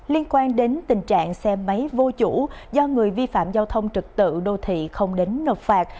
liên quan đến tình trạng xe máy vô chủ do người vi phạm giao thông trực tự đô thị không đến nộp phạt